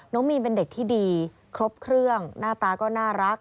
น้องมีนเป็นเด็กที่ดีครบเครื่องหน้าตาก็น่ารัก